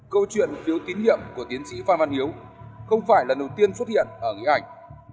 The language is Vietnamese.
câu chuyện phiếu tín nhiệm của tiến sĩ phan văn hiếu không phải là lần đầu tiên xuất hiện ở nghị ảnh